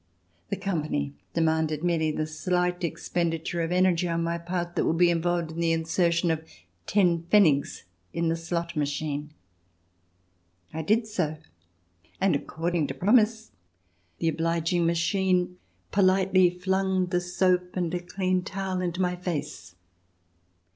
The company demanded merely the slight expendi ture of energy on my part which would be involved in the insertion often pfennigs in the slot machine. I did so, and according to promise, the obliging machine politely flung the soap and a clean towel into my face.